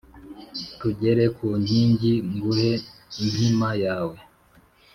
tugere ku nkingi nguhe inkima yawe